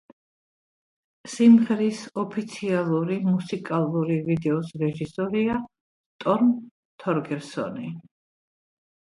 სიმღერის ოფიციალური მუსიკალური ვიდეოს რეჟისორია სტორმ თორგერსონი.